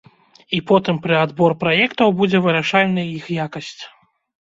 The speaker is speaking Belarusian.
І потым пры адбор праектаў будзе вырашальнай іх якасць.